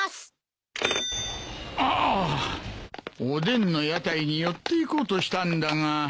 おでんの屋台に寄っていこうとしたんだが。